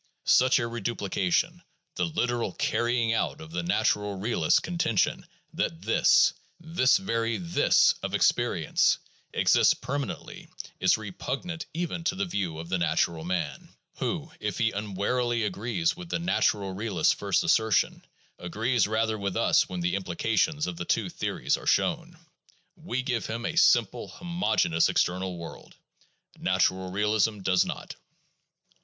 Such a reduplication, the literal carrying out of the "natural" realist's contention that "this" — this very "this" of experience — exists permanently, is repugnant even to the view of the "natural man," who, if he unwarily agrees with the "natural" realist's first assertion, agrees rather with us when the implications of the two theories are shown. We give him a simple, homogeneous external world; "natural" realism does not.